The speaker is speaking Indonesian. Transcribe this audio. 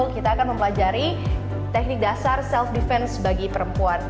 kita akan mempelajari teknik dasar self defense bagi perempuan